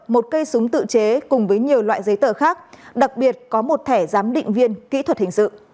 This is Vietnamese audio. một cây súng tự chế cùng với nhiều loại giấy tờ khác đặc biệt có một thẻ giám định viên kỹ thuật hình sự